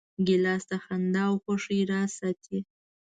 ګیلاس د خندا او خوښۍ راز ساتي.